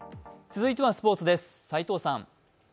続いてはスポーツです齋藤さん。